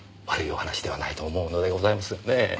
悪いお話ではないと思うのでございますがねえ。